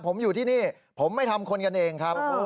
ผมอยู่ที่นี่ผมไม่ทำคนกันเองครับ